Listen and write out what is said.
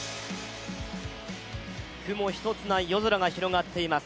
雲一つない夜空が広がっています。